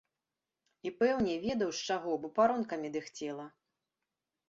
І, пэўне, ведаў з чаго, бо паронкамі дыхцела.